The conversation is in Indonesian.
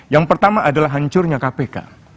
yang pertama adalah hancurnya kpk